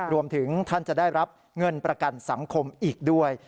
รวมถึงท่านจะได้รับเงินประกันสังคมอีกด้วย